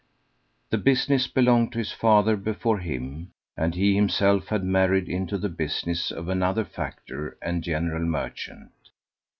The business belonged to his father before him, and he himself had married into the business of another factor and general merchant.